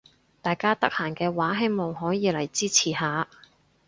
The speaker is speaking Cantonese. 大家得閒嘅話希望可以嚟支持下